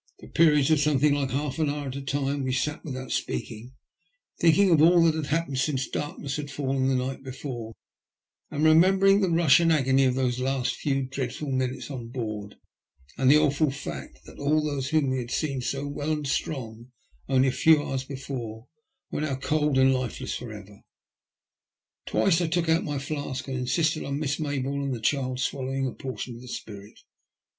For periods of something like half an hour at a time we sat without speaking, thinking of all that had happened since darkness had fallen the night before, and remembering the rush and agony of those last few dreadful minutes on board, and the awful fact that all those whom we had seen so well and strong only a few hours before were now cold and lifeless for ever. Twice I took out my flask and insisted on Miss Mayboume and the child swallowing a portion of the spirit.